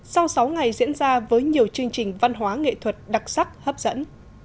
sau sáu ngày diễn ra với nhiều chương trình văn hóa nghệ thuật đặc sắc hấp dẫn